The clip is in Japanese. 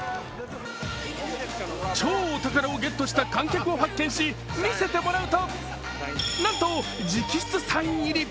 超お宝をゲットした観客を発見し、見せてもらうと、なんと直筆サイン入り。